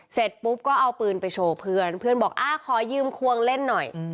เสร็จปุ๊บก็เอาปืนไปโชว์เพื่อนเพื่อนบอกอ่าขอยืมควงเล่นหน่อย